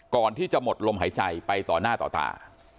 ก่อนที่จะหมดลมหายใจไปต่อหน้าต่อตา